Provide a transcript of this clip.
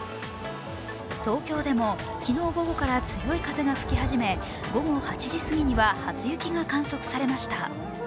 東京でも昨日午後から強い風が吹き始め、午後８時すぎには初雪が観測されました。